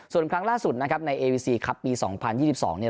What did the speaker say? ส่วนครั้งล่าสุดนะครับในเอวีซีครับปีสองพันยี่สิบสองเนี้ย